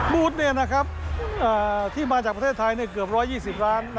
บูธที่มาจากประเทศไทยเกือบ๑๒๐ล้าน